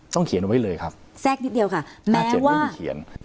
ต้องเขียนไว้เลยครับแซ่งนิดเดียวค่ะห้าเจ็ดไม่มีเขียน